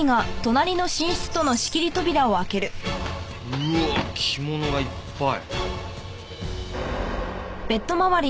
うわっ着物がいっぱい。